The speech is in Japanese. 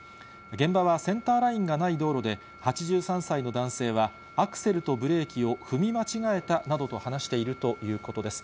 現場はセンターラインがない道路で、８３歳の男性はアクセルとブレーキを踏み間違えたなどと話しているということです。